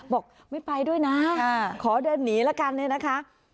บอกไม่ไปด้วยนะขอเดินหนีเหลือกัน